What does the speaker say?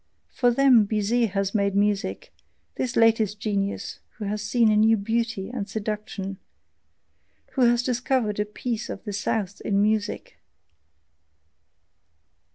For them BIZET has made music, this latest genius, who has seen a new beauty and seduction, who has discovered a piece of the SOUTH IN MUSIC.